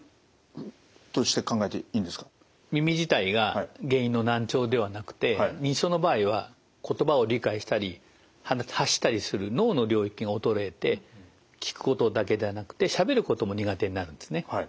耳自体が原因の難聴ではなくて認知症の場合は言葉を理解したり発したりする脳の領域が衰えて聞くことだけではなくてしゃべることも苦手になるんですね。